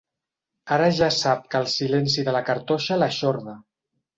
Ara ja sap que el silenci de la cartoixa l'eixorda.